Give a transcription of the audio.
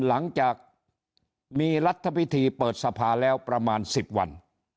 หลังจากมีรัฐพิธีเปิดสภาแล้วประมาณ๑๐วัน